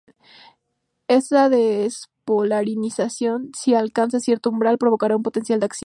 Esta despolarización, si alcanza cierto umbral, provocará un potencial de acción.